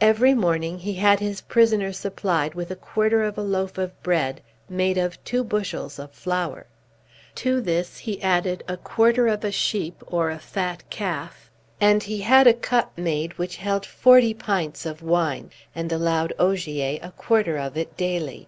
Every morning he had his prisoner supplied with a quarter of a loaf of bread, made of two bushels of flour, to this he added a quarter of a sheep or a fat calf, and he had a cup made which held forty pints of wine, and allowed Ogier a quarter of it daily.